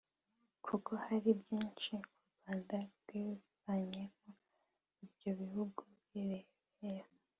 kuko hari byinshi u Rwanda rwivanyemo ibyo bihugu birebera